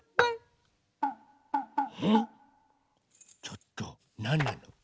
ちょっとなんなの？